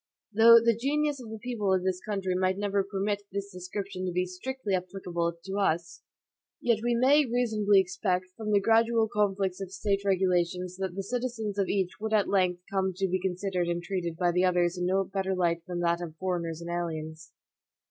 Though the genius of the people of this country might never permit this description to be strictly applicable to us, yet we may reasonably expect, from the gradual conflicts of State regulations, that the citizens of each would at length come to be considered and treated by the others in no better light than that of foreigners and aliens.